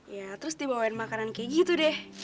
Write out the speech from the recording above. ya terus dibawain makanan kayak gitu deh